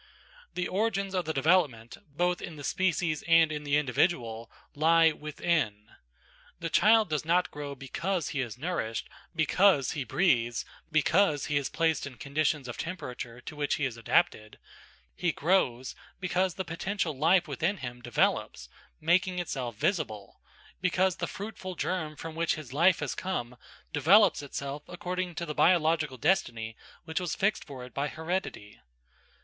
The origins of the development, both in the species and in the individual, lie within. The child does not grow because he is nourished, because he breathes, because he is placed in conditions of temperature to which he is adapted; he grows because the potential life within him develops, making itself visible; because the fruitful germ from which his life has come develops itself according to the biological destiny which was fixed for it by heredity.